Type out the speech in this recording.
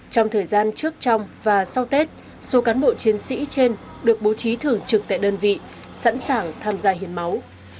trong thời gian trước trong và sau tết số cán bộ chiến sĩ trên được bố trí thử trực tại đơn vị sẵn sàng tham gia hiến máu